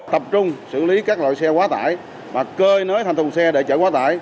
tập trung xử lý các loại xe quá tải mà cơi nới thành thùng xe để chở quá tải